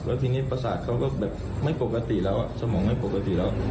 แล้วทีนี้ประสาทเขาก็แบบไม่ปกติแล้วสมองไม่ปกติแล้ว